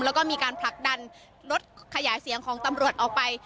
แล้วก็มีการผลักดันรถขยายเสียงของตำรวจออกไป